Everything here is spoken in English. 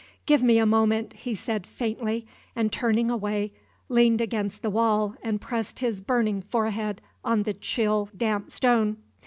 "Give me a moment," he said, faintly; and turning away, leaned against the wall and pressed his burning forehead on the chill, damp stone.